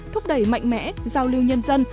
thúc đẩy mạnh mẽ giao lưu nhân dân